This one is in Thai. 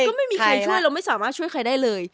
ก็ไม่มีใครช่วยเราไม่สามารถช่วยใครได้เลย